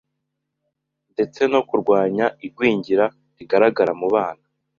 ndetse no kurwanya Igwingira rigaragara mu bana